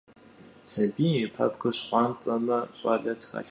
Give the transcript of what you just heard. Сабийм и пэбгыр щхъуантӀэмэ, щӀалэ тралъхуэнущ, жаӀэрт.